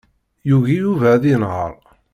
Yugi Yuba ad yenheṛ.